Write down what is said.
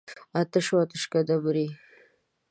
آتش او آتشکده مري.